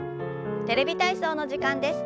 「テレビ体操」の時間です。